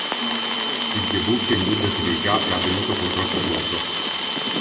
Il debutto in Bundesliga è avvenuto contro il Friburgo.